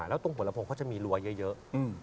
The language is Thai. แล้วตรงหัวลำโพงเขาจะมีรัวเยอะ